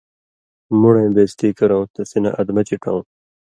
مُڑَیں بے عزتی کرؤں تسیں نہ ادمہ چِٹؤں